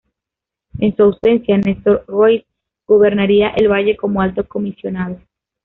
En su ausencia, Nestor Royce gobernaría el Valle como Alto Comisionado.